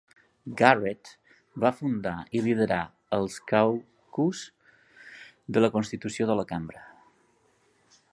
Garrett va fundar i liderar el Caucus de la Constitució de la Cambra.